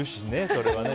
それはね。